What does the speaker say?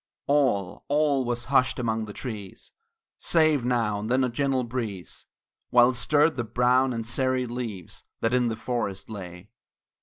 All, all was hushed among the trees, Save now and then a gentle breeze, Which stirr'd the brown and serried leaves That in the forest lay.